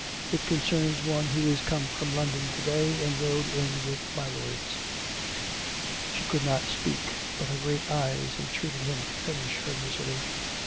It concerns one who is come from London to day, and rode in with my lords." She could not speak, but her great eyes entreated him to finish her misery.